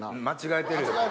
間違えてるよ。